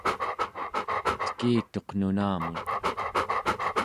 tekituq nunamun